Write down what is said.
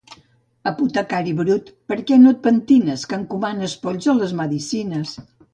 Apotecari brut, per què no et pentines que encomanes polls a les medicines